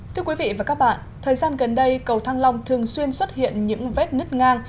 thưa quý vị và các bạn thời gian gần đây cầu thăng long thường xuyên xuất hiện những vết nứt ngang